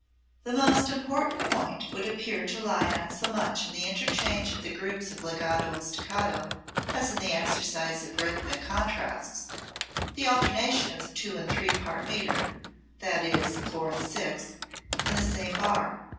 The most important point would appear to lie not so much in the interchange of the groups of legato and staccato as in the exercise of rhythmic contrasts the alternation of two and three part metre (that is, of four and six) in the same bar.